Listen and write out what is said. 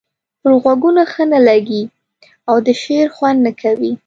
پر غوږونو ښه نه لګيږي او د شعر خوند نه کوي.